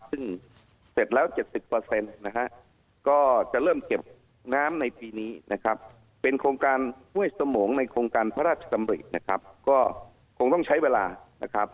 ซึ่งเสร็จแล้ว๗๐นะฮะก็จะเริ่มเก็บน้ำในปีนี้นะครับเป็นโครงการห้วยสมงในโครงการพระราชดำรินะครับก็คงต้องใช้เวลานะครับ